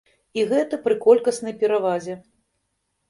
І гэта пры колькаснай перавазе.